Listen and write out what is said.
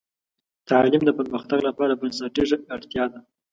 تعلیم د پرمختګ لپاره بنسټیزه اړتیا ده.